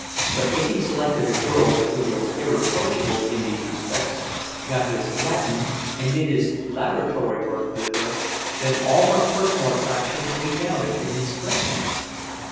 But if he selected a girl who was irreproachable in these respects, got his Latin and did his laboratory work with her, then all her personal attractions redounded to his credit.